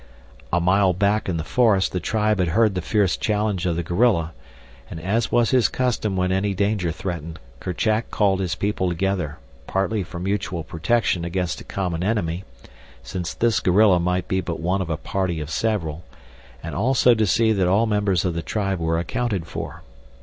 A mile back in the forest the tribe had heard the fierce challenge of the gorilla, and, as was his custom when any danger threatened, Kerchak called his people together, partly for mutual protection against a common enemy, since this gorilla might be but one of a party of several, and also to see that all members of the tribe were accounted for.